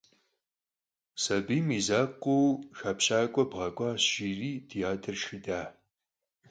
«Sabiym yi zakhue şşıxepş bğek'uaş», - jji'eri di ader şşxıdaş.